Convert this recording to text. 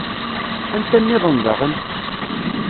Anta nniḍen daɣen?